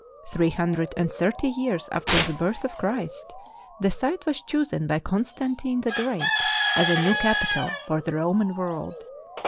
Three hundred and thirty years after the birth of Christ the site was chosen by Constantine the Great as a new capital for the Roman world.